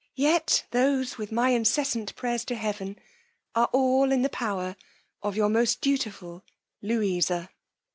yet those, with my incessant prayers to heaven, are all in the power of Your most dutiful LOUISA.'